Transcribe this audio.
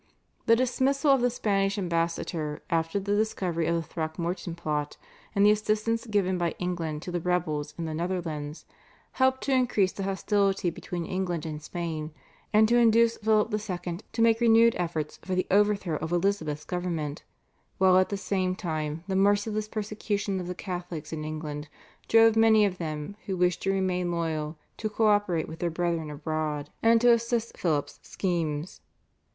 " The dismissal of the Spanish ambassador after the discovery of the Throckmorton plot and the assistance given by England to the rebels in the Netherlands helped to increase the hostility between England and Spain, and to induce Philip II. to make renewed efforts for the overthrow of Elizabeth's government, while at the same time the merciless persecution of the Catholics in England drove many of them who wished to remain loyal to co operate with their brethren abroad and to assist Philip's schemes.